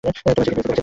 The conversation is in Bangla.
তোমার স্মৃতি ফিরেছে?